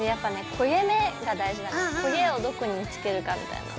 焦げをどこに付けるかみたいなの。